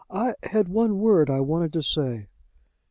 "I had one word I wanted to say."